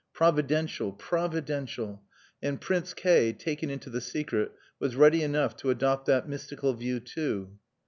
Providential! Providential! And Prince K , taken into the secret, was ready enough to adopt that mystical view too.